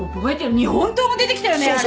日本刀も出てきたよねあれ。